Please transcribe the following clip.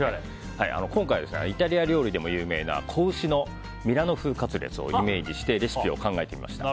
今回、イタリア料理でも有名な子牛のミラノ風カツレツをイメージしてレシピを考えてみました。